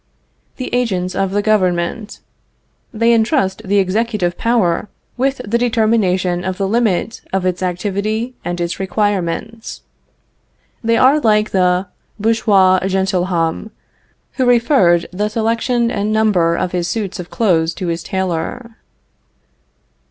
The agents of the government. They entrust the executive power with the determination of the limit of its activity and its requirements. They are like the Bourgeois Gentilhomme, who referred the selection and number of his suits of clothes to his tailor.